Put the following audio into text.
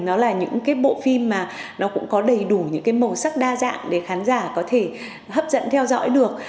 nó là những cái bộ phim mà nó cũng có đầy đủ những cái màu sắc đa dạng để khán giả có thể hấp dẫn theo dõi được